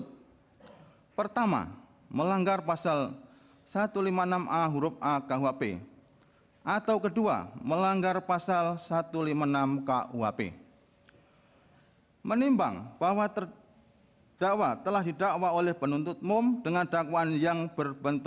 kepulauan seribu kepulauan seribu